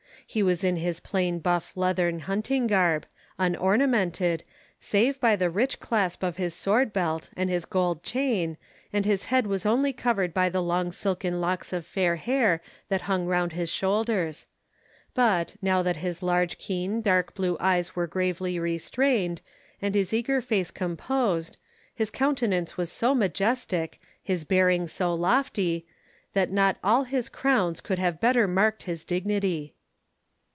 He was in his plain buff leathern hunting garb, unornamented, save by the rich clasp of his sword belt and his gold chain, and his head was only covered by the long silken locks of fair hair that hung round his shoulders; but, now that his large keen dark blue eyes were gravely restrained, and his eager face composed, his countenance was so majestic, his bearing so lofty, that not all his crowns could have better marked his dignity.